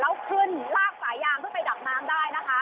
แล้วขึ้นลากสายยางขึ้นไปดับน้ำได้นะคะ